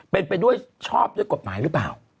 เป็นไปด้วยชอบด้วยกฎหมายหรือเปล่า